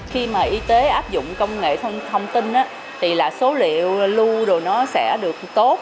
khi mà y tế áp dụng công nghệ thông tin thì là số liệu lưu đồ nó sẽ được tốt